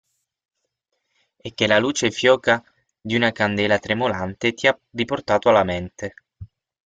E che la luce fioca di una candela tremolante ti ha riportato alla mente.